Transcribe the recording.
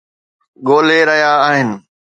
ڳولي رهيا آهن